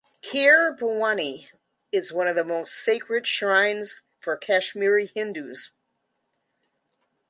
Kheer Bhawani is one of the most sacred shrines for Kashmiri Hindus.